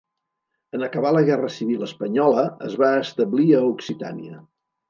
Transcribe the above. En acabar la guerra civil espanyola es va establir a Occitània.